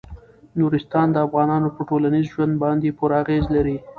نورستان د افغانانو په ټولنیز ژوند باندې پوره اغېز لري.